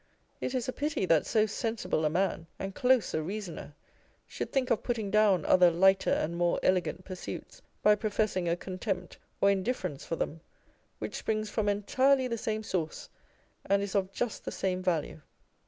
It is a pity that so sensible a man and close a reasoner, should think of putting down other lighter and more elegant pursuits by professing a contempt or indifference for them, which springs from entirely the same source, and is of just the same value.